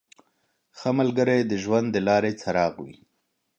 • ښه ملګری د ژوند د لارې څراغ وي.